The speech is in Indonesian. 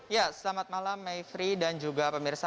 ya selamat malam mayfrey dan juga pemirsa